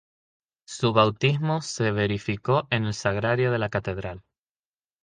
Su bautismo se verificó en el Sagrario de la Catedral.